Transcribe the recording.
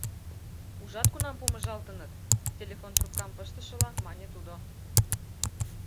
— Ужат, кунам помыжалтыныт, — телефон трубкам пыштышыла мане тудо.